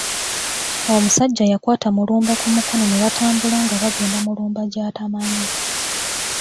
Omusajja yakwata Mulumba ku mukono ne batambula nga bagenda Mulumba gy’atamanyi.